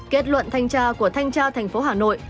kết luận thanh tra của thanh tra thành phố hà nội